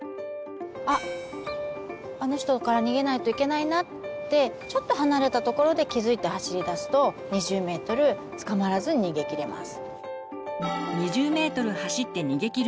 あっあの人から逃げないといけないなってちょっと離れたところで気付いて走りだすと２０ｍ捕まらずに逃げきれます。